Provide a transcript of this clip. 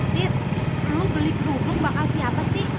fit perlu beli truk luk bakal siapa sih